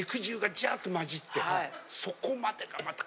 そこまでがまた。